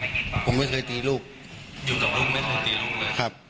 อยู่กับลูกไม่เคยตีลูกเลยครับ